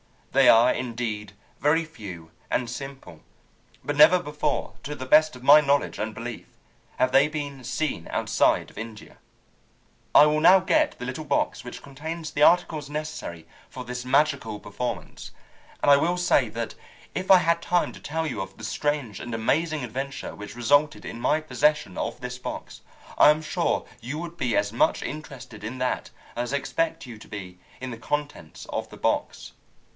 They are indeed very few and simple, but never before, to the best of my knowledge and belief, have they been seen outside of India. "I will now get the little box which contains the articles necessary for this magical performance, and I will say that if I had time to tell you of the strange and amazing adventure which resulted in my possession of this box, I am sure you would be as much interested in that as I expect you to be in the contents of the box.